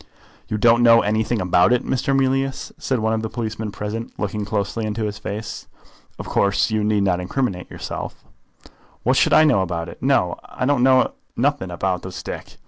"You don't know anything about it, Mr. Mealyus?" said one of the policemen present, looking closely into his face. "Of course you need not criminate yourself." "What should I know about it? No; I know nothing about the stick.